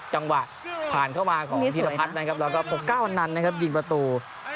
จังหวะผ่านเข้ามาของธีรพัฒน์นะครับแล้วก็ปกเก้าอันนั้นนะครับยิงประตู